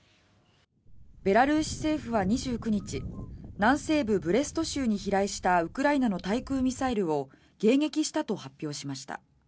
ベラルーシ政府は２９日南西部ブレスト州に飛来したウクライナの対空ミサイルを迎撃したと発表しました。